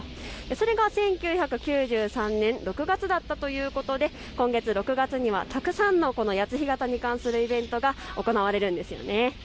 それが１９９３年６月だったということで今月６月にはたくさんの谷津干潟に関するイベントが行われるんです。